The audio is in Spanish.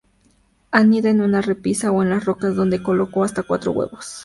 Anida en una repisa o en las rocas, donde coloca hasta cuatro huevos.